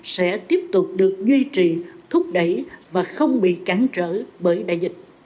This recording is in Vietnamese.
sẽ tiếp tục được duy trì thúc đẩy và không bị cản trở bởi đại dịch